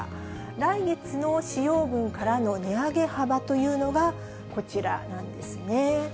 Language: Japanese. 来月の使用分からの値上げ幅というのが、こちらなんですね。